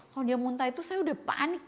kalau dia muntah itu saya udah panik